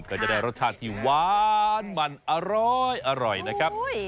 ก็จะได้รสชาติที่หวานมันอร้อยนะครับ